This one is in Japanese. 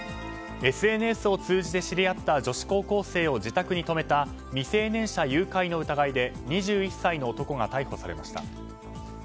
ＳＮＳを通じて知り合った女子高校生を自宅に泊めた未成年者誘拐の疑いで２１歳の男が逮捕されました。